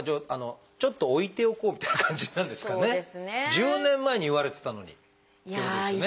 １０年前に言われてたのにっていうことですよね。